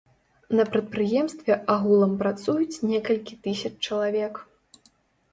На прадпрыемстве агулам працуюць некалькі тысяч чалавек.